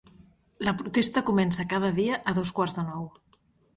La protesta comença cada dia a dos quarts de nou.